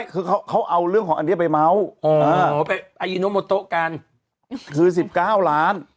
คือเขาเขาเอาเรื่องของอันเนี้ยไปเมาส์อ๋อไปอายุโนโมโตะกันคือสิบเก้าล้าน